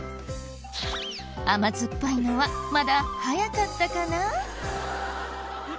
甘酸っぱいのはまだ早かったかな？